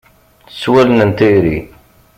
S wallen n tayri.